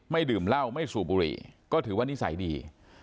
ดื่มเหล้าไม่สูบบุหรี่ก็ถือว่านิสัยดี